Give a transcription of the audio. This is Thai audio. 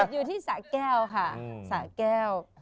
อยู่ที่สะแก้วค่ะสะแก้ว